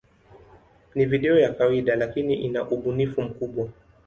Ni video ya kawaida, lakini ina ubunifu mkubwa.